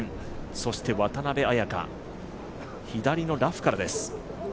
そして渡邉彩香、左のラフからです